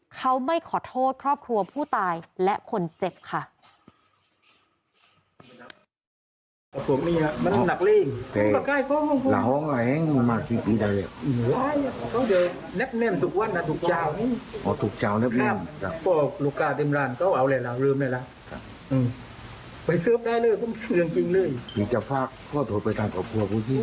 เขาไม่ขอโทษครอบครัวผู้ตายและคนเจ็บค่ะ